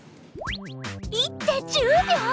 一手１０秒！？